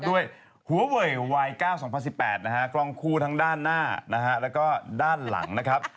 ด้วยหัวเวยวัย๙๒๐๑๘นะฮะกล้องคู่ทั้งด้านหน้านะฮะแล้วก็ด้านหลังนะครับ